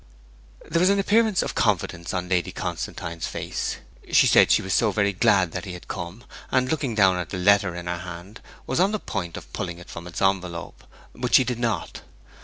There was an appearance of confidence on Lady Constantine's face; she said she was so very glad that he had come, and looking down at the letter in her hand was on the point of pulling it from its envelope; but she did not.